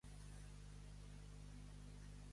Tarragona, ciutat morta.